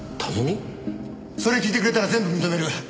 それ聞いてくれたら全部認める。